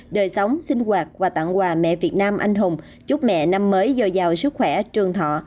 đời sống sinh hoạt và tặng quà mẹ việt nam anh hùng chúc mẹ năm mới dồi dào sức khỏe trường thọ